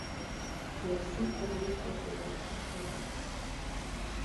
E así podemos considerar Castelao.